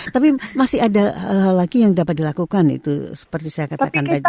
tapi masih ada hal lagi yang dapat dilakukan itu seperti saya katakan tadi